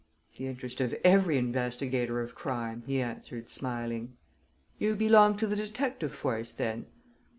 "The interest of every investigator of crime," he answered, smiling. "You belong to the detective force, then?"